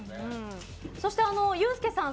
そして、ユースケさん